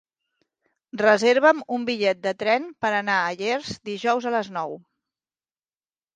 Reserva'm un bitllet de tren per anar a Llers dijous a les nou.